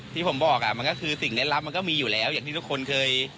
ที่ผมบอกมันก็คือสิ่งเล่นลับมันก็มีอยู่แล้วอย่างที่ทุกคนเคย